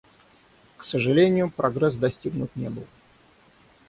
К сожалению, прогресс достигнут не был.